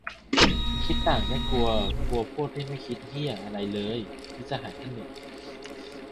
"คิดต่างไม่กลัว กลัวพวกที่ไม่คิดเหี้ยอะไรเลย" - มิตรสหายท่านหนึ่ง